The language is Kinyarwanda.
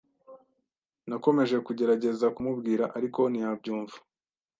Nakomeje kugerageza kumubwira, ariko ntiyabyumva.